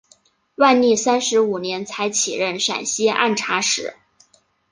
万历三十五年才起任陕西按察使。